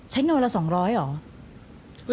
ใช้เงินละ๒๐๐อ๋อ